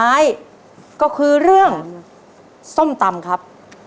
และเรื่องสุดท้ายก็คือเรื่องส้มตำครับ